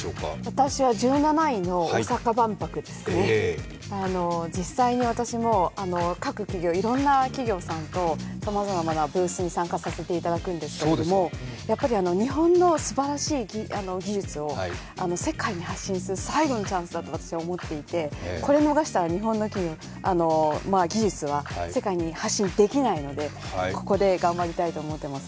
私は１７位の大阪万博で実際に私も各企業、いろんな企業さんと参加させていただくんですけれども、やっぱり日本のすばらしい技術を世界に発信する最後のチャンスだと私は思っていて、これ逃したら日本の企業、技術は世界に発信できないのでここで頑張りたいと思っています。